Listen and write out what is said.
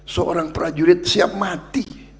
seorang prajurit siap mati